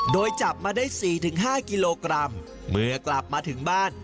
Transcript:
โดยจับมาได้๔๕กิโลกรัมเมื่อกลับมาถึงบ้าน